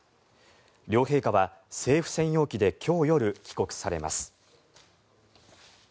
両陛下は政府専用機で今日夜、帰国されます。